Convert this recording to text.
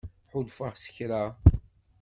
Ḥulfaɣ s kra.